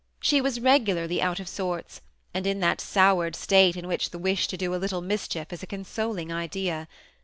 She was regularly out of sorts, and in that soured state in which the wish to do a little mischief is a consoling idea.